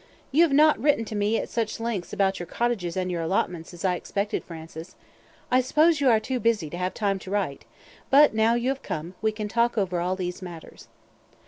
"You have not written to me at such length about your cottages and your allotments as I expected, Francis. I suppose you are too busy to have time to write, but now you have come; we can talk over all these matters."